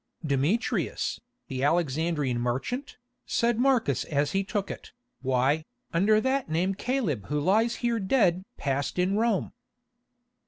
"Demetrius, the Alexandrian merchant," said Marcus as he took it. "Why, under that name Caleb who lies there dead passed in Rome."